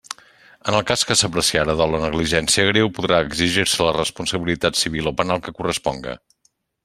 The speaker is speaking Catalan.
En el cas que s'apreciara dol o negligència greu podrà exigir-se la responsabilitat civil o penal que corresponga.